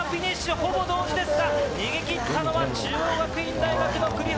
ほぼ同時か、逃げきったのは中央学院大学の栗原。